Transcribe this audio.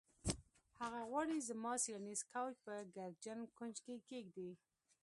هغه غواړي زما څیړنیز کوچ په ګردجن کونج کې کیږدي